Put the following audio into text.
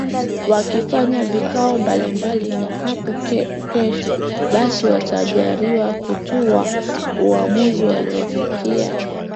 wakifanya vikao mbalimbali na hapo kesho basi watarajiwa kutoa uamuzi waliofikia